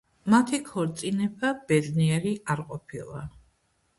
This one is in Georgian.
მათი ქორწინება ბედნიერი არ ყოფილა.